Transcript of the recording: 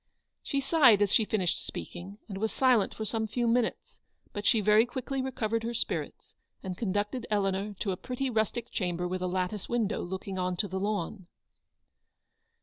She sighed as she finished speaking, and was silent for some few minutes ; but she very quickly recovered her spirits, and conducted Eleanor to a pretty rustic chamber with a lattice window look ing on to the lawn.